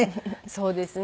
そうですね。